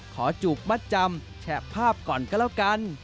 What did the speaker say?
จูบมัดจำแฉะภาพก่อนก็แล้วกัน